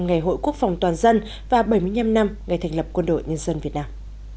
ngày hội quốc phòng toàn dân và bảy mươi năm năm ngày thành lập quân đội nhân dân việt nam